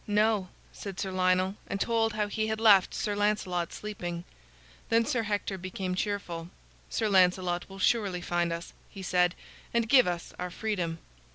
"No," said Sir Lionel, and told how he had left Sir Lancelot sleeping. Then Sir Hector became cheerful. "Sir Lancelot will surely find us," he said, "and give us our freedom."